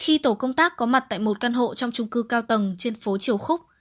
khi tổ công tác có mặt tại một căn hộ trong trung cư cao tầng trên phố triều khúc